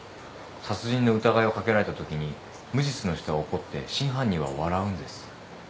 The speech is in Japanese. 殺人の疑いをかけられたときに無実の人は怒って真犯人は笑うんです。